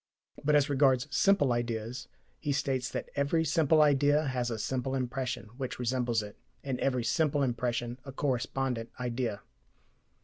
But as regards simple ideas, he states that "every simple idea has a simple impression, which resembles it, and every simple impression a correspondent idea."